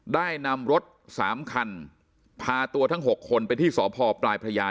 ได้นำรถสามคันพาตัวทั้ง๖คนไปที่สพปลายพระยา